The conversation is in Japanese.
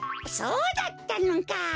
そうだったのか！